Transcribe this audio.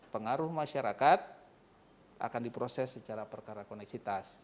pengaruh masyarakat akan diproses secara perkara koneksitas